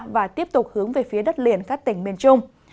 và tiếp tục hướng về phía đất liền các tỉnh miền trung